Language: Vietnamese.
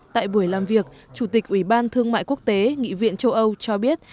tại buổi làm việc chủ tịch ủy ban thương mại quốc tế nghị viện châu âu cho biết